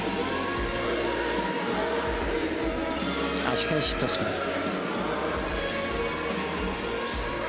足換えシットスピン。